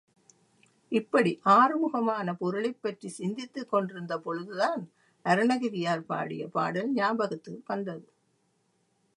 இப்படி ஆறுமுகமான பொருளைப் பற்றிச் சிந்தித்துக் கொண்டிருந்த பொழுதுதான் அருணகிரியார் பாடிய பாடல் ஞாபகத்துக்கு வந்தது.